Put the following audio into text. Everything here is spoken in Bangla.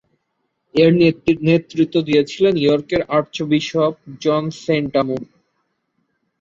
এর নেতৃত্ব দিয়েছিলেন ইয়র্কের আর্চবিশপ জন সেন্টামু।